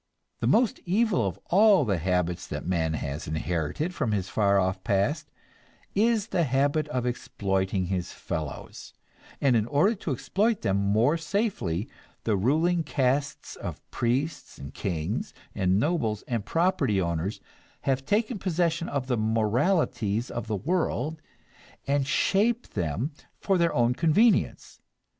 The most evil of all the habits that man has inherited from his far off past is the habit of exploiting his fellows, and in order to exploit them more safely the ruling castes of priests and kings and nobles and property owners have taken possession of the moralities of the world and shaped them for their own convenience.